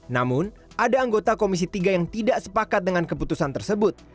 namun ada anggota komisi tiga yang tidak sepakat dengan keputusan tersebut